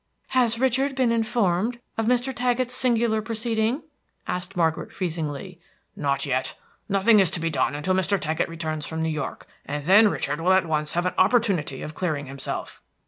"Has Richard been informed of Mr. Taggett's singular proceeding?" asked Margaret, freezingly. "Not yet; nothing is to be done until Mr. Taggett returns from New York, and then Richard will at once have an opportunity of clearing himself."